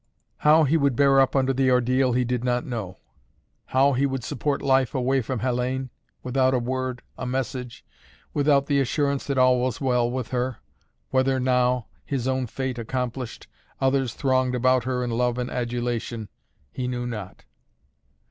How he would bear up under the ordeal he did not know. How he would support life away from Hellayne, without a word, a message, without the assurance that all was well with her, whether now, his own fate accomplished, others thronged about her in love and adulation, he knew not.